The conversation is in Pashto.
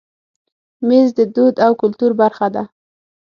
مېز د دود او کلتور برخه ده.